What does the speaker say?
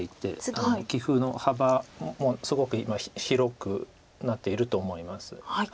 棋風の幅もすごく今広くなっていると思います。